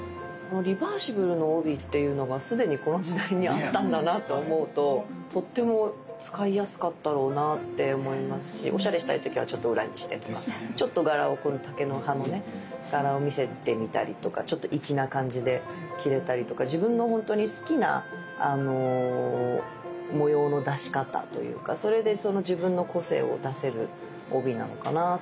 リバーシブルの帯っていうのが既にこの時代にあったんだなと思うととっても使いやすかったろうなって思いますしおしゃれしたい時はちょっと裏にしてとかちょっと柄をこの竹の葉のね柄を見せてみたりとかちょっと粋な感じで着れたりとか自分のほんとに好きな模様の出し方というかそれでその自分の個性を出せる帯なのかなぁって思いますけど。